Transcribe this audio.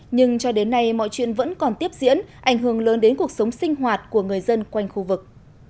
nhưng cho đến nay mọi chuyện vẫn còn tiếp diễn ảnh hưởng lớn đến cuộc sống sinh hoạt của người dân quanh khu vực